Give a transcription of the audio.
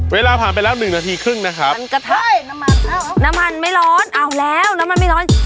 เวลาผ่านไปแล้วหนึ่งนาทีครึ่งนะครับมันกระแทกน้ำมันน้ำมันไม่ร้อนเอาแล้วน้ำมันไม่ร้อน